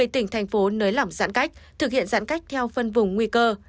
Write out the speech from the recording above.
một mươi tỉnh thành phố nới lỏng giãn cách thực hiện giãn cách theo phân vùng nguy cơ